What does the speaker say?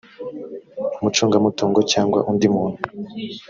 umucungamutungo cyangwa undi muntu